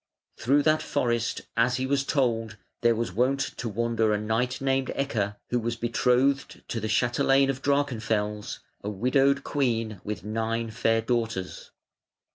Through that forest, as he was told, there was wont to wander a knight named Ecke, who was betrothed to the chatelaine of Drachenfels, a widowed queen with nine fair daughters.